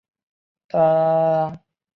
珊瑚藤为蓼科珊瑚藤属下的一个种。